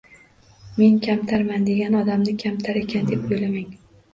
“Men kamtarman” degan odamni kamtar ekan deb o’ylamang.